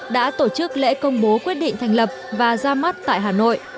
đã tổ chức lễ công bố quyết định thành lập và ra mắt tại hà nội